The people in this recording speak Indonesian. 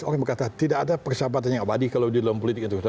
orang berkata tidak ada persahabatan yang abadi kalau di dalam politik identitas